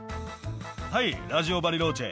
はい、ラジオ・バリローチェ。